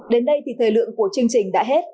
đến đây thì thời lượng của chương trình đã hết